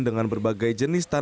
dengan berbagai jenis tanaman